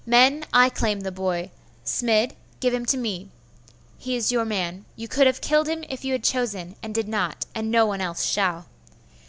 Men, I claim the boy. Smid, give him to me. He is your man. You could have killed him if you had chosen, and did not; and no one else shall.